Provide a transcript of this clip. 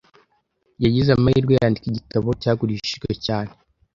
Yagize amahirwe yandika igitabo cyagurishijwe cyane.